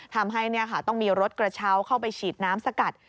ทำให้ต้องมีรถกระเช้าเข้าไปฉีดน้ำสกัด